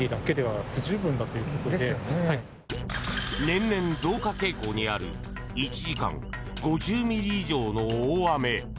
年々、増加傾向にある１時間５０ミリ以上の大雨。